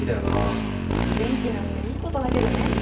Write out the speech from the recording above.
元気なのはいいことだけどね。